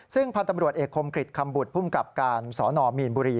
ซึ่งพันธุ์ตำรวจเอกคมกริจคำบุตรภูมิกับการสนมีนบุรี